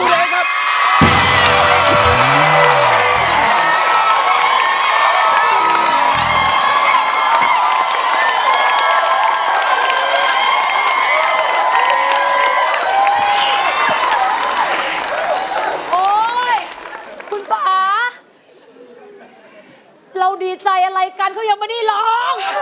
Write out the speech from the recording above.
เราดีใจอะไรกันเขายังไม่ได้ร้อง